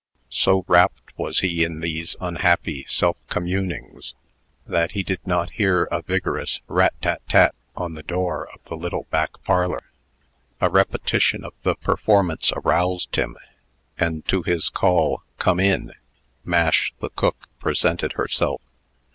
So wrapt was he in these unhappy self communings, that he did not hear a vigorous "rat tat tat" on the door of the little back parlor. A repetition of the performance aroused him, and to his call, "Come in," Mash, the cook, presented herself.